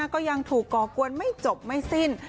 ก็ยังถูกก่อกวนไม่จบไม่สิ้น